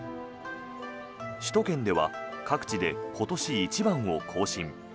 首都圏では各地で今年一番を更新。